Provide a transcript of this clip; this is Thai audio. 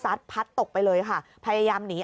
พัดตกไปเลยค่ะพยายามหนี